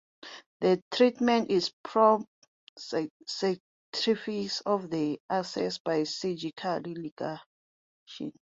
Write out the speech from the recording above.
The treatment is prompt sacrifice of the access by surgical ligation.